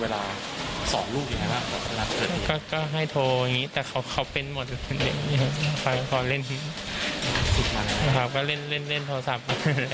เวลา๒ลูกให้โทรมีแต่เขาเขาเป็นหมดเล่นที่เล่นเล่นโทรศัพท์